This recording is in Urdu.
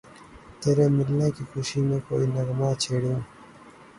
تیرے ملنے کی خوشی میں کوئی نغمہ چھیڑوں